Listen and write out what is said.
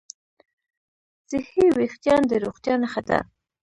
صحي وېښتيان د روغتیا نښه ده.